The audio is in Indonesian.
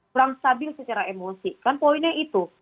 kurang stabil secara emosi kan poinnya itu